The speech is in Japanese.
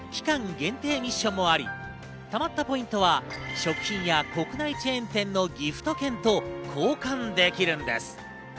限定ミッションもあり、貯まったポイントは食品や国内チェーン店のギフト券と交換できるんです。